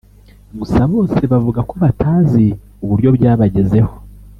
Gusa bose bavuga ko batazi uburyo byabagezeho